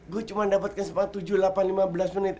gue cuma dapatkan sempat tujuh delapan lima belas menit